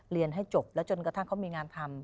เรียนให้จบแล้วจนกระทั่งเขามีงานทำ